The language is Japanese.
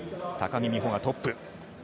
高木美帆がトップ。